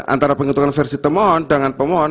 antara penghitungan versi temohon dengan pemohon